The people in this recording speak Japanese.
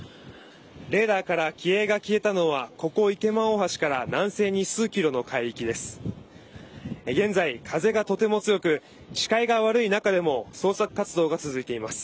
レーダーから機影が消えたのはここ池間大橋から南西に数ｋｍの海域です。